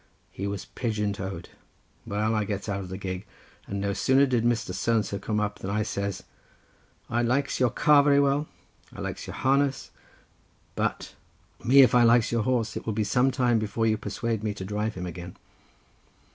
he was pigeon toed. Well, I gets out of the gig, and no sooner did Mr. So and so come up than I says— "'I likes your car very well, and I likes your harness, but — me if I likes your horse, and it will be some time before you persuade me to drive him again.